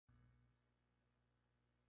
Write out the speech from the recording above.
Lugares baldíos.